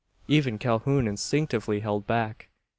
Even Calhoun instinctively held back.